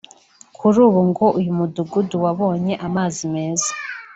Kuri ubu ngo uyu mudugudu wabonye amazi meza